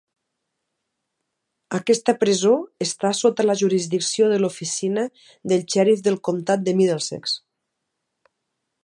Aquesta presó està sota la jurisdicció de l'oficina del xèrif del comtat de Middlesex.